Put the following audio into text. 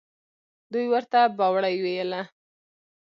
دوى ورته بوړۍ ويله.